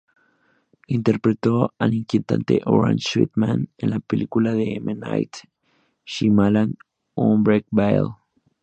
Interpretó al inquietante "Orange Suit Man" en la película de M. Night Shyamalan "Unbreakable".